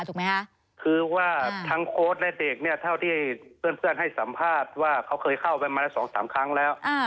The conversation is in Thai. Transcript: ถูกไหมคะคือว่าทั้งโค้ดและเด็กเนี่ยเท่าที่เพื่อนให้สัมภาษณ์ว่าเขาเคยเข้าไปมาละสองสามครั้งแล้ว